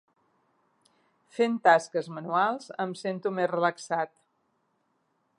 Fent tasques manuals em sento més relaxat.